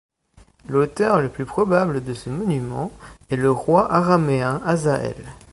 L'auteur le plus probable de ce monument est le roi araméen Hazaël.